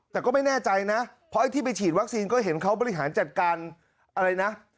แต่ก็ไม่แน่ใจนะเพราะไอ้ที่ไปฉีดวัคซีนก็เห็นเขาบริหารจัดการอะไรนะ